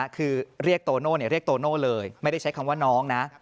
คือเรียกโตโน่เรียกโตโน่เลยไม่ได้ใช้คำว่าน้องนะ